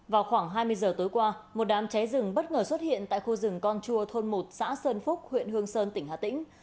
vào khoảng hai mươi giờ tối qua một đám cháy rừng bất ngờ xuất hiện tại khu rừng con chua thôn một xã sơn phúc huyện hương sơn tỉnh hà tĩnh